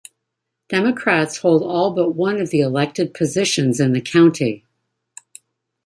Democrats hold all but one of the elected positions in the county.